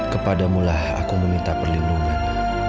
kepadamulah aku meminta perlindungan